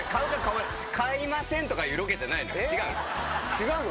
違うの？